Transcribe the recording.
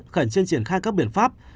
khẩn truyền triển khai các biện pháp